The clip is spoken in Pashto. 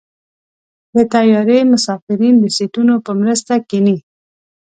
د طیارې مسافرین د سیټونو په مرسته کېني.